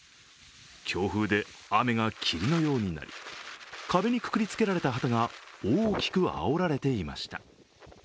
強風で雨が霧のようになり壁にくくりつけられた旗が大きくあおられていました。